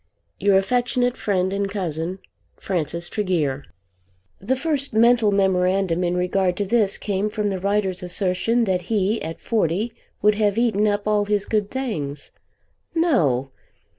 Your affectionate Friend and Cousin, FRANCIS TREGEAR. The first mental memorandum in regard to this came from the writer's assertion that he at forty would have eaten up all his good things. No!